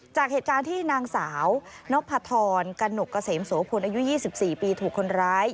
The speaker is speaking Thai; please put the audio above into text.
จากเหตุการณ์ที่นางสาวนพธรกระหนกเกษมโสพลอายุ๒๔ปีถูกคนร้าย